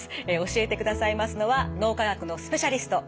教えてくださいますのは脳科学のスペシャリスト